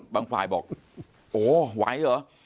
บางฝ่ายบอกโอ้ไหวเหรอ